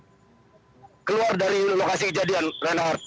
untuk keluar dari lokasi kejadian renard